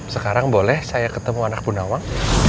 sekarang boleh saya ketemu anak bunawang